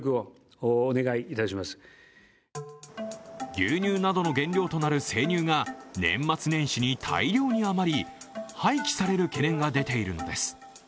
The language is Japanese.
牛乳などの原料となる生乳が年末年始に大量に余り、廃棄される懸念が出ているのです。